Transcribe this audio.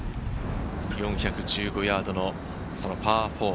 ４１５ヤードのパー４。